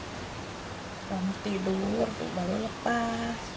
selama tidur baru lepas